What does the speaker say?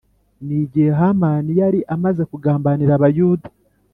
nigihe hamani yari amaze kugambanira abayuda